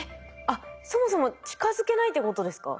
あっそもそも近づけないってことですか？